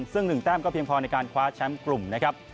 ซึ่ง๑แต้มก็เพียงพอในการคว้าแชมป์กลุ่มนะครับ